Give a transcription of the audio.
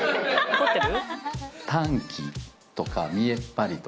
怒ってる？